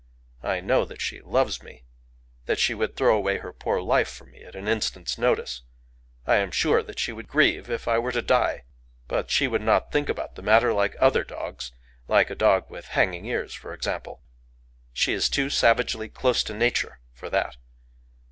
I know that she loves me,—that she would throw away her poor life for me at an instant's notice. I am sure that she would grieve if I were to die. But she would not think about the matter like other dogs,—like a dog with hanging ears, for example. She is too savagely close to Nature for that.